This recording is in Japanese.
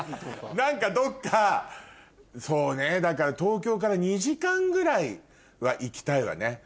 何かどっかそうねだから東京から２時間ぐらいは行きたいわね。